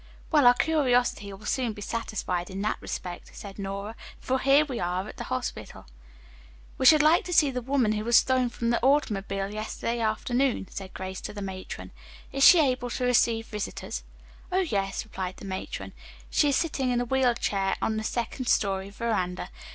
"Well, our curiosity will soon be satisfied in that respect," said Nora, "for here we are at the hospital." "We should like to see the woman who was thrown from the automobile yesterday afternoon," said Grace to the matron. "Is she able to receive visitors?" "Oh, yes," replied the matron. "She is sitting in a wheeled chair on the second story veranda.